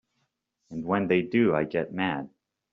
And when they do I get mad.